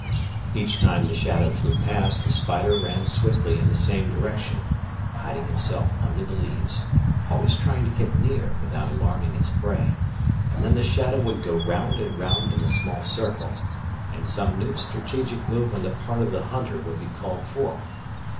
Each time the shadow flew past, the spider ran swiftly in the same direction, hiding itself under the leaves, always trying to get near without alarming its prey; and then the shadow would go round and round in a small circle, and some new strategic move on the part of the hunter would be called forth.